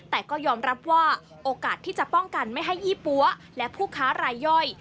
แต่ก็ยอมรับว่าโอกาสที่จะป้องกันไม่ให้ยี่ปั๊วและผู้ค้ารายย่อย